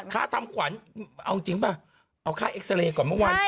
ค่าทำขวัญเอาจริงป่ะเอาค่าเอ็กซาเรย์ก่อนเมื่อวาน